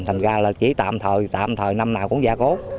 thành ra là chỉ tạm thời tạm thời năm nào cũng gia cố